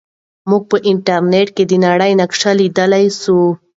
موږ په انټرنیټ کې د نړۍ نقشه لیدلی سو.